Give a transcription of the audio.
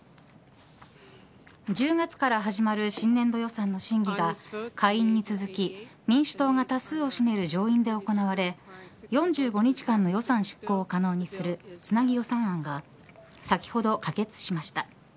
１０月から始まる新年度予算の審議が下院に続き民主党が多数を占める上院で行われ４５日間の予算執行を可能にするつなぎ予算案が先ほど可決しました。